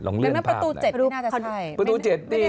ประตู๗น่าจะใช่